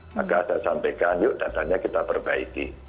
maka saya sampaikan yuk datanya kita perbaiki